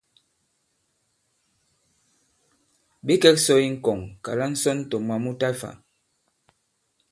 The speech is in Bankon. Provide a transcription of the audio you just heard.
Ɓě kɛ̄k sɔ̄ i ŋkɔŋ, kàla ŋsɔn tɔ̀ moi mu ta fā.